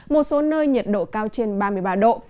một số nơi nhiệt độ cao trên ba mươi ba độ